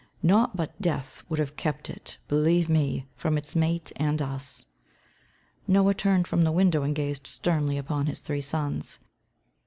Naught but death would have kept it, believe me, from its mate and us." Noah turned from the window and gazed sternly upon his three sons.